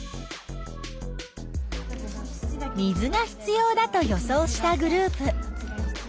水が必要だと予想したグループ。